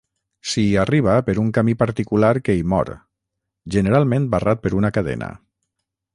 S'hi arriba per un camí particular que hi mor, generalment barrat per una cadena.